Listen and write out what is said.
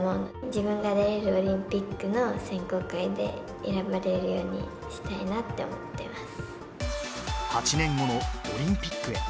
自分が出れるオリンピックの選考会で選ばれるようにしたいなって８年後のオリンピックへ。